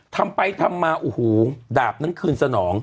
ทำไปทำมาโอ้โหดาบนั้นคืนสนอง